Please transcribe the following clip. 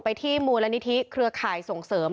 ที่มูลนิธิเครือข่ายส่งเสริม